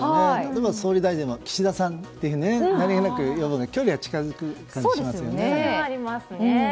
例えば、総理大臣も岸田さんって何気なく言うと距離が近づく気がしますよね。